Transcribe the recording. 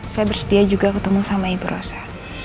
saya bersedia juga ketemu sama ibu rosa